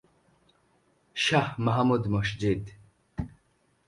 Shah Mahmud Masjid.